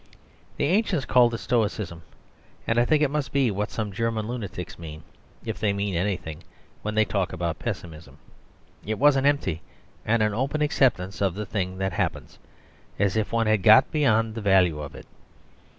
The ancients called it Stoicism, and I think it must be what some German lunatics mean (if they mean anything) when they talk about Pessimism. It was an empty and open acceptance of the thing that happens as if one had got beyond the value of it.